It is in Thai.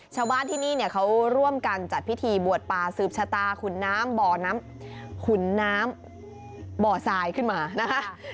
ชาวบ้านที่นี่เขาร่วมกันจัดพิธีบวชป่าสืบชะตาขุนน้ำบ่อทรายขึ้นมานะคะ